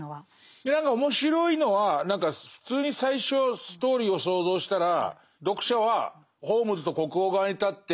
いや何か面白いのは何か普通に最初ストーリーを想像したら読者はホームズと国王側に立ってその悪い女をどうにかしようという。